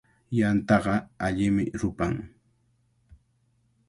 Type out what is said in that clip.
Yantaqa allimi rupan.